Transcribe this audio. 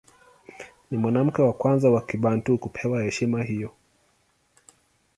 Ni mwanamke wa kwanza wa Kibantu kupewa heshima hiyo.